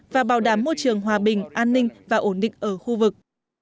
và bảo đảm môi trường hòa bình an ninh và ổn định ở khu vực